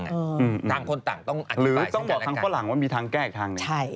หรือต้องบอกทางข้างหลังว่ามีทางแก้อีก